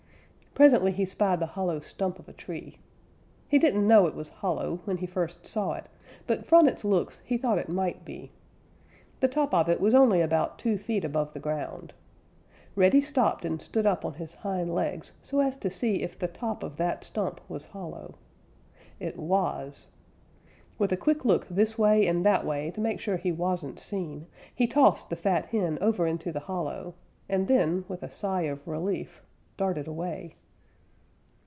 Presently he spied the hollow stump of a tree. He didn't know it was hollow when he first saw it, but from its looks he thought it might be. The top of it was only about two feet above the ground. Reddy stopped and stood up on his hind legs so as to see if the top of that stump was hollow. It was. With a quick look this way and that way to make sure he wasn't seen, he tossed the fat hen over into the hollow and then, with a sigh of relief, darted away.